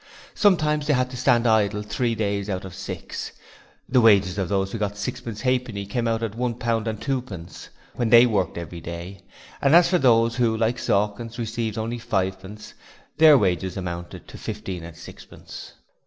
Sometimes they had to stand idle three days out of six. The wages of those who got sixpence halfpenny came out at one pound and twopence when they worked every day and as for those who like Sawkins received only fivepence, their week's wages amounted to fifteen and sixpence.